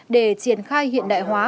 để triển khai hiện đại hóa